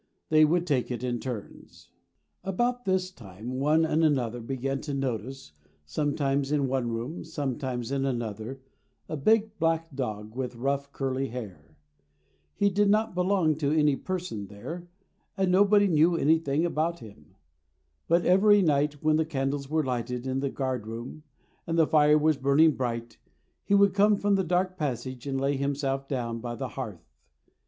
They would take it in turns. About this time one and another began to notice, sometimes in one room, sometimes in another, a big Black Dog with rough curly hair. He did not belong to any person there, and nobody knew anything about him. But every night when the candles were lighted in the guard room and the fire was burning bright, he would come from the dark passage and lay himself down by the hearth.